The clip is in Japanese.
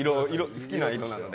好きな色なので。